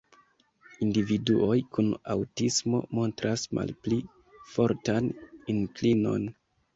Individuoj kun aŭtismo montras malpli fortan inklinon.